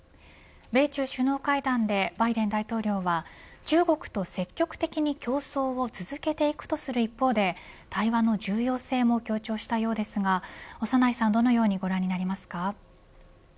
米中首脳会談でバイデン大統領は中国と積極的に競争を続けていくとする一方で対話の重要性も強調したようですが長内さんはどのようにご覧になりますか。